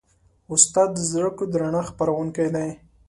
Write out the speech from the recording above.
استاد د زدهکړو د رڼا خپروونکی دی.